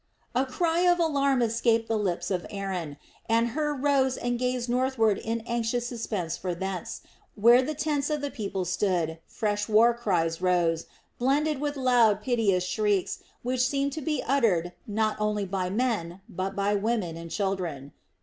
A cry of alarm escaped the lips of Aaron, and Hur rose and gazed northward in anxious suspense for thence, where the tents of the people stood, fresh war cries rose, blended with loud, piteous shrieks which seemed to be uttered, not only by men, but by women and children.